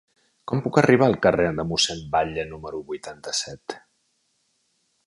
Com puc arribar al carrer de Mossèn Batlle número vuitanta-set?